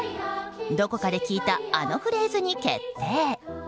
どこかで聞いたあのフレーズに決定。